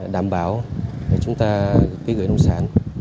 đảm bảo để chúng ta ký gửi nông sản